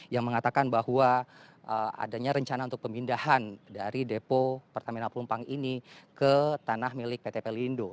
yang mengatakan bahwa adanya rencana untuk pemindahan dari depo pertamina pelumpang ini ke tanah milik pt pelindo